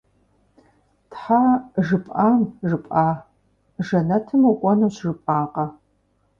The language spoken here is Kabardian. Тхьэ, жыпӀам, жыпӀа! Жэнэтым укӀуэнущ жыпӀакъэ?